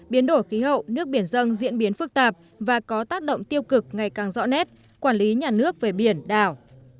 biến đổi khí hậu nước biển dân diễn biến phức tạp và có tác động tiêu cực ngày càng rõ nét quản lý nhà nước về biển đảo